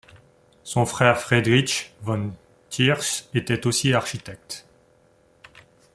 Son frère Friedrich von Thiersch était aussi architecte.